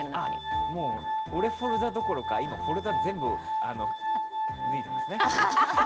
もう俺フォルダどころか今、フォルダ全部脱いでますね。